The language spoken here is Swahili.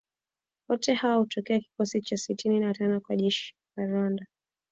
Wote hawa hutokea kikosi cha sitini na tano cha jeshi la Rwanda